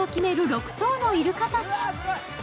６頭のイルカたち。